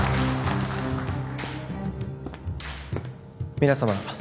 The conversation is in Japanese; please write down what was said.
皆様